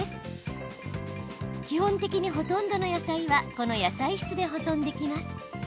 基本的にほとんどの野菜はこの野菜室で保存できます。